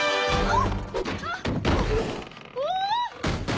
あっ！